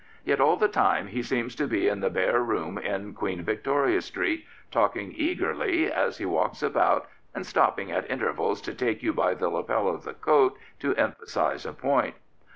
Yet all the time he seems to be in the bare room in Queen Victoria Street, talking eagerly as he walks about and stopping at intervals to take you by the lapel of the coat to emphasise a point.